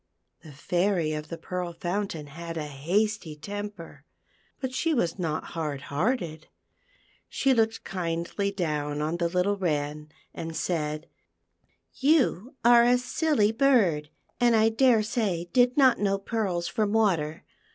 The Fairy of the Pearl Fountain had a hasty temper, but she was not hard hearted ; she looked kindly down on the little 8 THE PEARL FOUNTAIN. Wren, and said, "You are a silly bird, and I daresay did not know pearls from water.